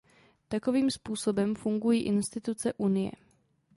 Takovým způsobem fungují instituce Unie.